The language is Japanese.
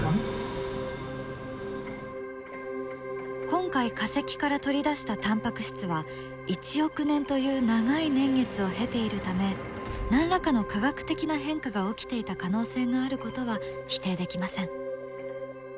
今回化石から取り出したタンパク質は１億年という長い年月を経ているため何らかの化学的な変化が起きていた可能性があることは否定できません。